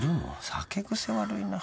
酒癖悪いな。